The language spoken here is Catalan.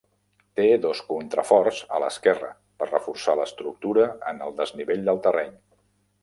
Té dos contraforts a l'esquerra per reforçar l'estructura en el desnivell del terreny.